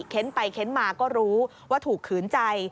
เค้นไปเค้นมาก็รู้ว่าถูกขืนใจ